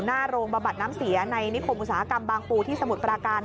หน้าโรงบำบัดน้ำเสียในนิคมอุตสาหกรรมบางปูที่สมุทรปราการ